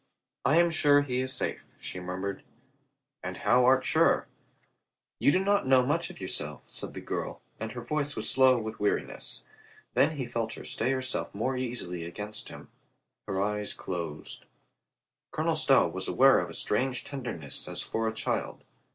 "I am sure he is safe," she murmured. "And how art sure?" "You do not know much of yourself," said the girl, and her voice was slow with weariness. Then tjfc^ '^' COLONEL RICH IS INTERRUPTED 313 he felt her stay herself more easily against him. Her eyes closed. Colonel Stow was aware of a strange tenderness as for a child.